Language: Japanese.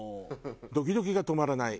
「ドキドキがとまらない！」